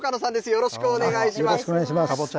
よろしくお願いします。